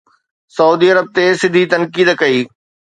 سعودي عرب تي سڌي تنقيد ڪئي